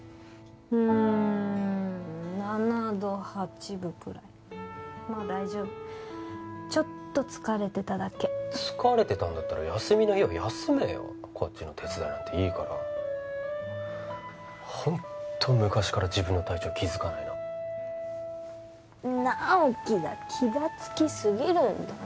うん７度８分くらいまあ大丈夫ちょっと疲れてただけ疲れてたんだったら休みの日は休めよこっちの手伝いなんていいからホント昔から自分の体調気づかないな直木が気がつきすぎるんだよ